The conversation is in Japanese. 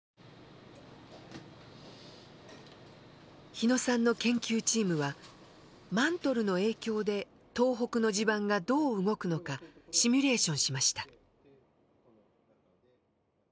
日野さんの研究チームはマントルの影響で東北の地盤がどう動くのかシミュレーションしました。